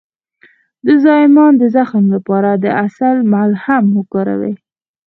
د زایمان د زخم لپاره د عسل ملهم وکاروئ